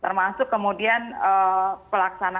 termasuk kemudian pelaksanaan tiga t ini